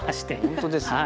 本当ですね。